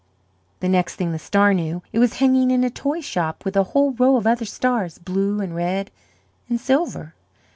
The next thing the star knew it was hanging in a toy shop with a whole row of other stars blue and red and silver.